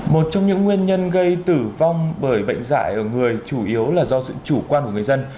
một trong những nguyên nhân gây tử vong bởi bệnh dạy ở người chủ yếu là do sự chủ quan của người dân